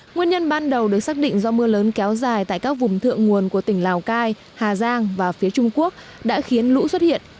nguyên nhân ban đầu được xác định do mưa lớn kéo dài tại các vùng thượng nguồn của tỉnh lào cai hà giang và phía trung quốc đã khiến lũ xuất hiện